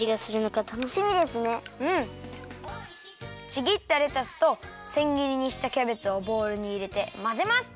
ちぎったレタスとせんぎりにしたキャベツをボウルにいれてまぜます。